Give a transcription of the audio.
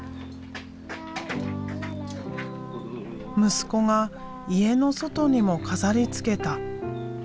息子が家の外にも飾りつけた。